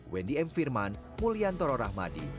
wendy m firman mulyantoro rahmadi